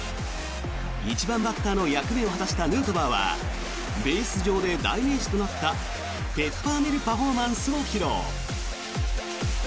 １番バッターの役目を果たしたヌートバーはベース上で代名詞となったペッパーミルパフォーマンスを披露。